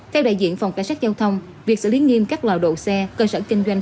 theo đại diện phòng cảnh sát giao thông việc xử lý nghiêm các lò độ xe cơ sở kinh doanh